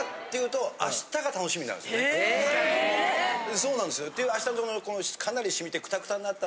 そうなんですよ。